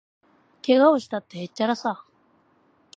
けがをしたって、へっちゃらさ